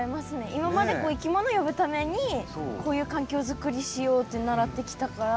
今までいきもの呼ぶためにこういう環境作りしようって習ってきたから。